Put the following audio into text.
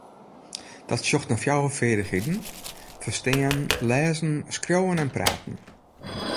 Dat sjocht nei fjouwer feardichheden: ferstean, lêzen, skriuwen en praten.